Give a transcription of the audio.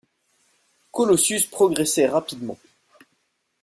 Colossus progressait rapidement